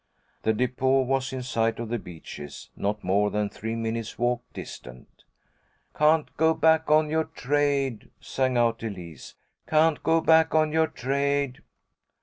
The depot was in sight of The Beeches, not more than three minutes' walk distant. "Can't go back on your trade!" sang out Elise. "Can't go back on your trade!"